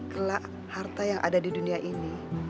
kelak harta yang ada di dunia ini